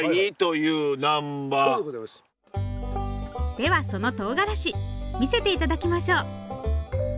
ではそのとうがらし見せて頂きましょう。